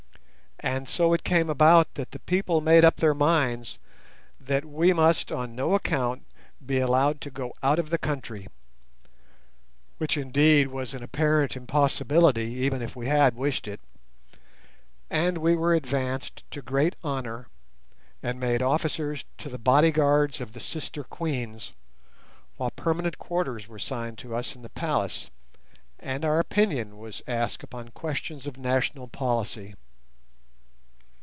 And so it came about that the people made up their minds that we must on no account be allowed to go out of the country (which indeed was an apparent impossibility even if we had wished it), and we were advanced to great honour and made officers to the bodyguards of the sister Queens while permanent quarters were assigned to us in the palace, and our opinion was asked upon questions of national policy.